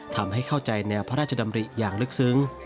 ทำให้เข้าใจแนวพระราชดำริอย่างลึกซึ้ง